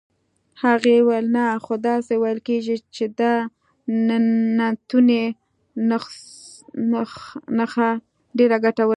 هغې وویل: نه، خو داسې ویل کېږي چې د انتوني نخښه ډېره ګټوره وي.